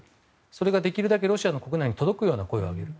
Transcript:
それができるだけロシア国内に届くような声を上げる。